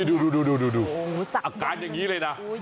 ดูอาการอย่างนี้เลยนะ